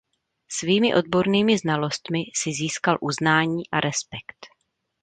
Svými odbornými znalostmi si získal uznání a respekt.